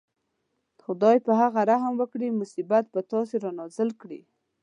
خدای په هغه رحم وکړي مصیبت په تاسې رانازل کړي.